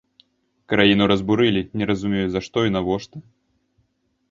Краіну разбурылі, не разумею, за што і навошта.